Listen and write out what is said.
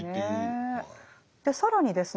更にですね